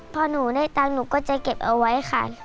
พอหนูได้ตังค์หนูก็จะเก็บเอาไว้ค่ะ